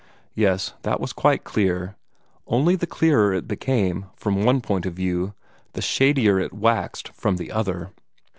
Yes, that was quite clear; only the clearer it became, from one point of view, the shadier it waxed from the other.